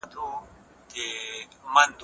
هیڅ لږکی باید د ویري احساس ونه کړي.